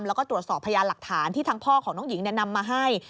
แล้วก็ตรวจสอบพยานหลักฐานที่ทางพ่อของน้องหญิงนำมาให้